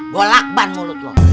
gua lakban mulut lu